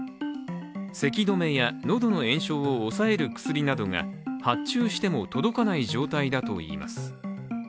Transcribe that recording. せき止めや喉の炎症を抑える薬などが発注しても届かない状態だといいます。